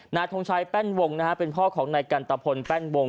นาทรงชัยแป้นวงครับเป็นพ่อของในกันตะพนแป้นวง